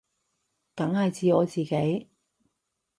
梗係指我自己